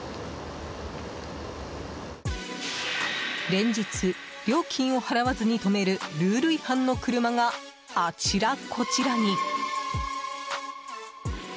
連日、料金を払わずに止めるルール違反の車があちらこちらに。